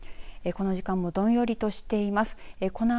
この時間もどんよりとしています。